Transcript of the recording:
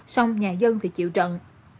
xong nhà dân thì chịu trần